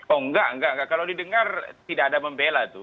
oh enggak enggak kalau didengar tidak ada membela tuh